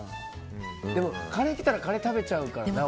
でもカレーが来たらカレー食べちゃうからな。